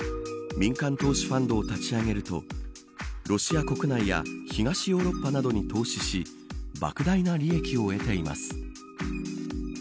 民間投資ファンドを立ち上げるとロシア国内や東ヨーロッパなどに投資し莫大な利益を得ています。